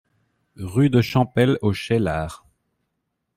Rue de Champel au Cheylard